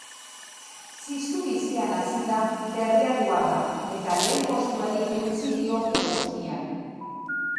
Ziztu bizian hasi da berriatuarra eta lehen postuari eutsi dio une guztian.